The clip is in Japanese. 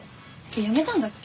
辞めたんだっけ？